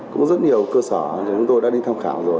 cũng rất nhiều cơ sở chúng tôi đã đi tham khảo rồi